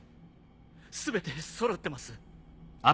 全てそろってます。